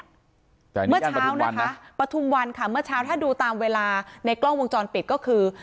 แต่อันนี้ย่านปฐุมวันนะปฐุมวันค่ะเมื่อเช้าถ้าดูตามเวลาในกล้องวงจรปิดก็คือ